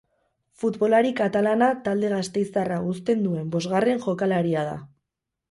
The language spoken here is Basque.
Futbolari katalana talde gasteiztarra uzten duen bosgarren jokalaria da.